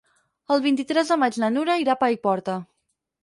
El vint-i-tres de maig na Nura irà a Paiporta.